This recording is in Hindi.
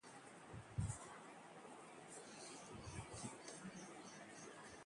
हम वहाँ क्या करने वाले हैं?